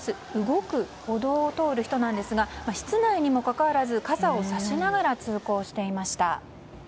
動く歩道を通る人なんですが室内にもかかわらず傘をさしながら通行していました。